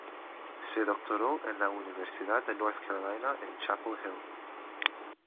Se doctoró en la Universidad de North Carolina en Chapel Hill.